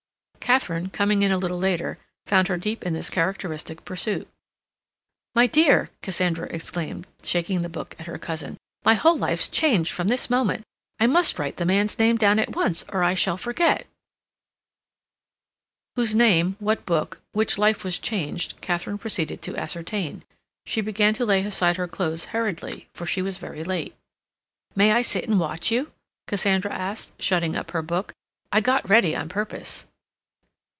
Katharine, coming in a little later, found her deep in this characteristic pursuit. "My dear," Cassandra exclaimed, shaking the book at her cousin, "my whole life's changed from this moment! I must write the man's name down at once, or I shall forget—" Whose name, what book, which life was changed Katharine proceeded to ascertain. She began to lay aside her clothes hurriedly, for she was very late. "May I sit and watch you?" Cassandra asked, shutting up her book. "I got ready on purpose."